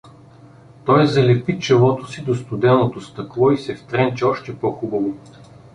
Той залепи челото си до студеното стъкло и се втренчи още по-хубаво.